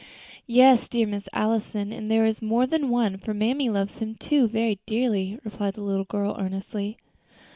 "Yes, dear Miss Allison; and there is more than one, for mammy loves Him, too, very dearly," replied the little girl, earnestly.